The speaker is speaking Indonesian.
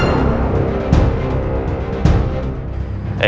jika kau memang hebat